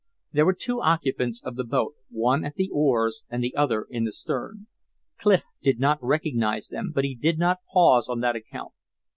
There were two occupants of the boat, one at the oars and the other in the stern. Clif did not recognize them, but he did not pause on that account.